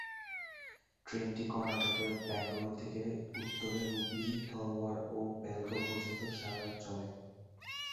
ট্রেনটি কর্ণাটকের ব্যাঙ্গালোর থেকে উত্তরে হুবলি-ধরওয়াড় ও বেলগাঁও পর্যন্ত সারারাত চলে।